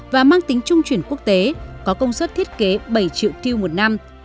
và mang tính trung chuyển quốc tế có công suất thiết kế bảy triệu tiêu một năm